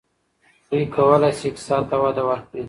دوی کولای شي اقتصاد ته وده ورکړي.